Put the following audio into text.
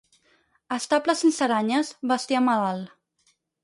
Estable sense aranyes, bestiar malalt.